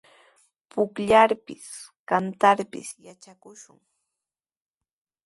Pukllarpis, kantarpis yatrakushun.